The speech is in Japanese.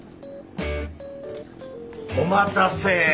お待たせ。